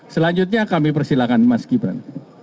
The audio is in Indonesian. selanjutnya kami persilahkan mas gibran